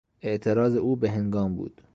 اعتراض او بههنگام بود.